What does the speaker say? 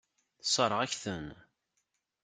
Tessṛeɣ-ak-ten.